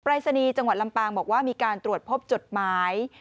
รายศนีย์จังหวัดลำปางบอกว่ามีการตรวจพบจดหมาย